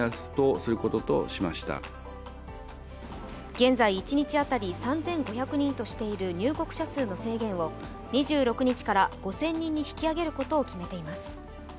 現在一日当たり３５００人としている入国者数の制限を２６日から５０００人に引き上げることを決めています。